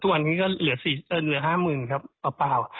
ครับครับตัวนี้ก็เหลือสี่เอ่อเหลือห้าหมื่นครับประเป๋า